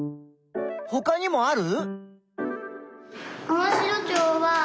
ほかにもある？